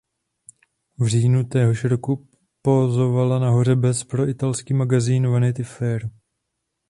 V říjnu téhož roku pózovala nahoře bez pro italský magazín "Vanity Fair".